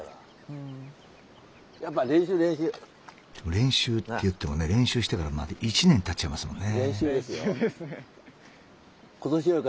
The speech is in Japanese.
練習っていってもね練習してから１年たっちゃいますもんね。